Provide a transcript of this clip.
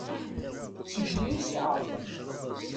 D tikli i s-iɛerqen.